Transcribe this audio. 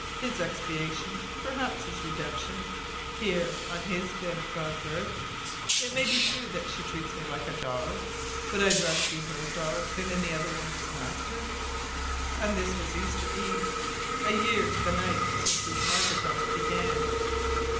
His expiation perhaps his redemption here on his bit of "God's earth" ... "It may be true that she treats me like a dog.... But I'd rather be her dog than any other woman's master...." And this was Easter eve, a year to the night since his martyrdom began!